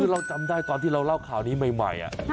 คือเราจำได้ตอนที่เราเล่าข่าวนี้ใหม่